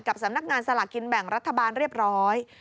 สำนักงานสลากกินแบ่งรัฐบาลเรียบร้อย